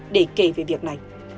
để kể về việc này